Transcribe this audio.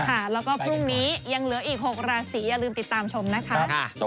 แล้วก็พรุ่งนี้ยังเหลืออีก๖ราศีอย่าลืมติดตามชมนะคะ